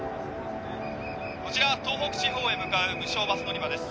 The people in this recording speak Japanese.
こちら東北地方へ向かう無償バス乗り場です